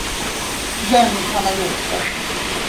Vem kan ha gjort det?